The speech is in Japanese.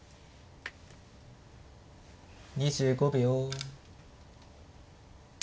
２５秒。